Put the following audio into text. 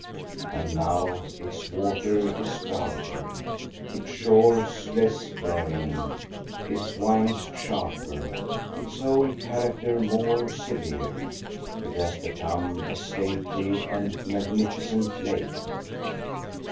And now its water is darker, its shores less varying, its winds sharper, its whole character more severe. It has become a stately and magnifi cent lake.